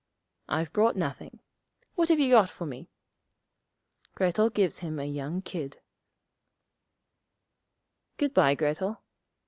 'I've brought nothing. What have you got for me?' Grettel gives him a young kid. 'Good bye, Grettel.'